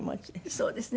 そうですね。